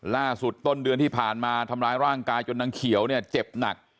ต้นเดือนที่ผ่านมาทำร้ายร่างกายจนนางเขียวเนี่ยเจ็บหนัก